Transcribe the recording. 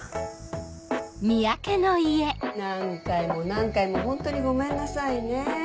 何回も何回もホントにごめんなさいね。